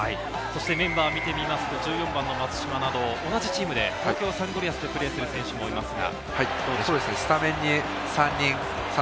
メンバーを見てみますと、松島など同じチームで、東京サンゴリアスでプレーする選手もいますが。